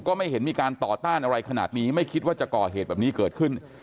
ไม่เห็นมีการต่อต้านอะไรขนาดนี้ไม่คิดว่าจะก่อเหตุแบบนี้เกิดขึ้น